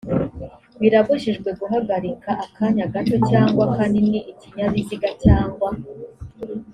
birabujijwe guhagarika akanya gato cyangwa kanini ikinyabiziga cyangwa